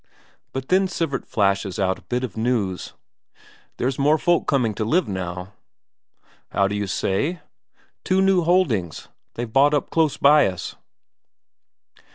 But then Sivert flashes out a bit of news: "There's more folk coming to live now." "How d'you say?" "Two new holdings. They've bought up close by us."